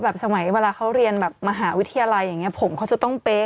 สมัยเวลาเขาเรียนแบบมหาวิทยาลัยอย่างนี้ผมเขาจะต้องเป๊ะ